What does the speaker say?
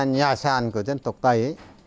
nhà sàn của dân tộc tày